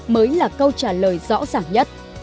mới là câu trả lời rõ ràng nhất